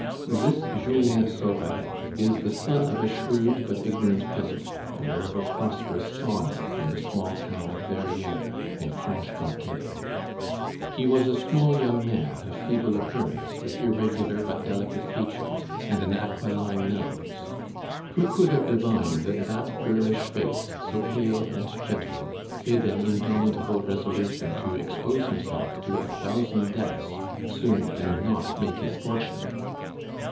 This Julien Sorel is the son of a shrewd but ignorant peasant, owner of a prosperous saw mill in the small town of Verrières, in Franche Comté. "He was a small young man, of feeble appearance, with irregular but delicate features, and an aquiline nose; ... who could have divined that that girlish face, so pale, and gentle, hid an indomitable resolution to expose himself to a thousand deaths sooner than not make his fortune?"